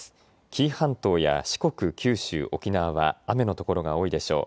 紀伊半島や四国、九州、沖縄は雨の所が多いでしょう。